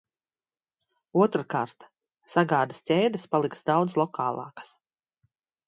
Otrkārt – sagādes ķēdes paliks daudz lokālākas.